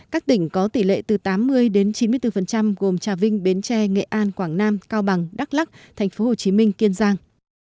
các tỉnh có tỷ lệ từ tám mươi đến chín mươi bốn gồm trà vinh bến tre nghệ an quảng nam cao bằng đắk lắc tp hcm kiên giang